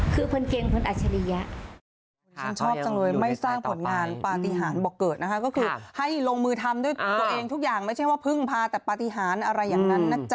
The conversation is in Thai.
คือเพิ่งเกรงเพิ่งอัชริยะ